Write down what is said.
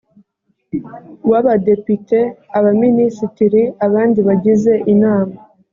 w abadepite abaminisitiri abandi bagize inama